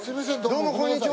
どうもこんにちは。